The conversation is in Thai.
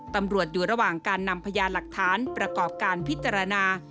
ตำรวจอยู่ระหว่างการนำพยานหลักฐานประกอบการพิจารณา